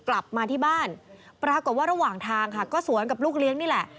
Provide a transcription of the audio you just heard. กลับมาที่บ้านปรากฏว่าระหว่างทางค่ะก็สวนกับลูกเลี้ยงนี่แหละ